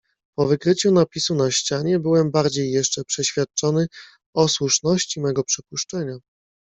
"Po wykryciu napisu na ścianie byłem bardziej jeszcze przeświadczony o słuszności mego przypuszczenia."